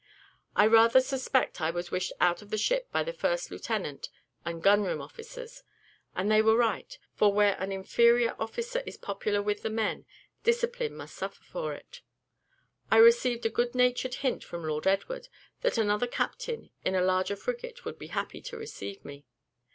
I rather suspect I was wished out of the ship by the first lieutenant and gun room officers; and they were right, for where an inferior officer is popular with the men, discipline must suffer from it. I received a good natured hint from Lord Edward, that another captain, in a larger frigate, would be happy to receive me.